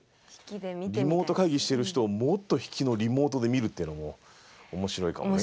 リモート会議してる人をもっと引きのリモートで見るってのも面白いかもね。